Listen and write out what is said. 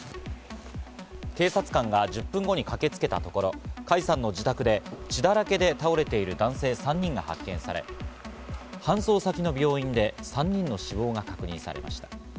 警察官が１０分後に駆けつけたところ、甲斐さんの自宅で血だらけで倒れている男性３人が発見され、搬送先の病院で３人の死亡が確認されました。